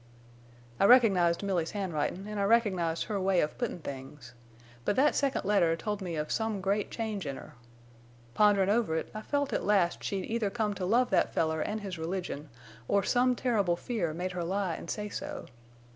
"I recognized Milly's handwritin', an' I recognized her way of puttin' things. But that second letter told me of some great change in her. Ponderin' over it, I felt at last she'd either come to love that feller an' his religion, or some terrible fear made her lie an' say so.